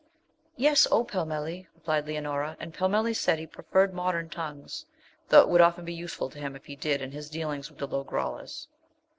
'Yes, O Pellmelli,' replied Leonora, and Pellmelli said he preferred modern tongues, though it would often be useful to him if he did in his dealings with the Lo grollas.